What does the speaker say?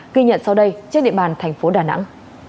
ghi nhận sau đây trên địa bàn thành phố đà nẵng